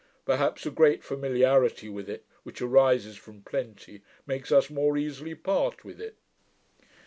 Perhaps a great familiarity with it, which arises from plenty, makes us more easily part with it.'